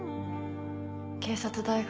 警察大学